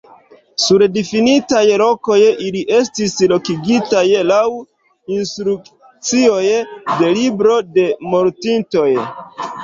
Sur difinitaj lokoj ili estis lokigitaj laŭ instrukcioj de libro de mortintoj.